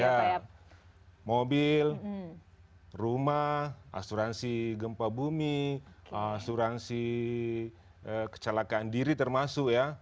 ya mobil rumah asuransi gempa bumi asuransi kecelakaan diri termasuk ya